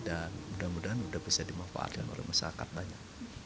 dan mudah mudahan sudah bisa dimanfaatkan oleh masyarakat banyak